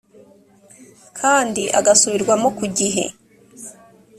kandi agasubirwamo ku gihe